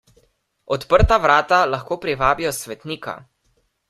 Odprta vrata lahko privabijo svetnika.